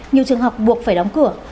nhiều trường học buộc phải đóng cửa